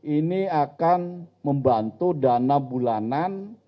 ini akan membantu dana bulanan